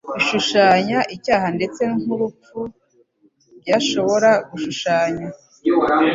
bishushanya icyaha ndetse n'urupfu byashobora gushushanya "